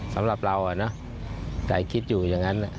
สำหรับเราแต่คิดอยู่อย่างนั้น